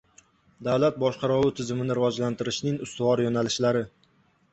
Davlat boshqaruvi tizimini rivojlantirishning ustuvor yo‘nalishlari